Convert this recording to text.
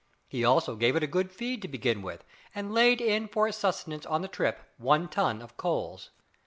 He also gave it a good feed to begin with, and laid in for its sustenance on the trip one ton of coals.